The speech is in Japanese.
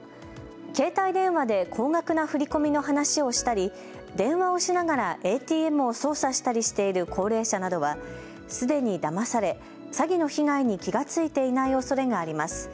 携帯電話で高額な振り込みの話をしたり、電話をしながらＡＴＭを操作したりしている高齢者などは、すでにだまされ詐欺の被害に気が付いていないおそれがあります。